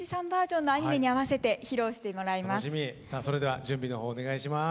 さあそれでは準備の方お願いします。